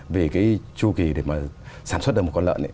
vì cái chu kỳ để mà sản xuất được một con lợn ấy